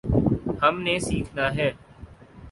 ہم نے سیکھنا ہے۔